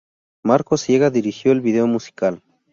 Marcos Siega dirigió el vídeo musical.